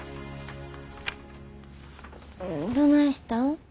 どないしたん？